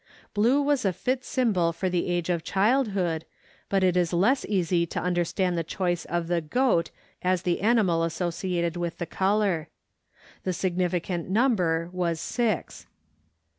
Blue was a fit symbol of the age of childhood, but it is less easy to understand the choice of the goat as the animal associated with the color. The significant number was six.